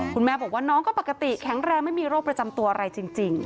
คุณแม่บอกว่าน้องก็ปกติแข็งแรงไม่มีโรคประจำตัวอะไรจริง